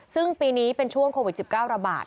ซึ่งปีนี้เป็นช่วงโควิด๑๙ระบาด